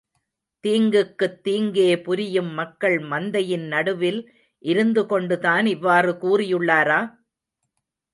தீங்குக்குத் தீங்கே புரியும் மக்கள் மந்தையின் நடுவில் இருந்து கொண்டுதான் இவ்வாறு கூறியுள்ளாரா?